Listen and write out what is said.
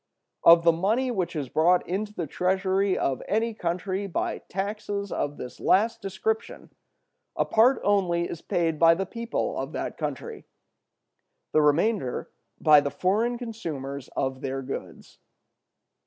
Of the money which is brought into the treasury of any country by taxes of this last description, a part only is paid by the people of that country; the remainder by the foreign consumers of their goods.